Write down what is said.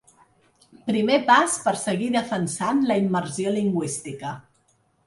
Primer pas per seguir defensant la immersió lingüística!